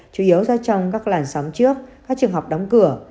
chủ yếu do trong các làn sóng trước các trường hợp đóng cửa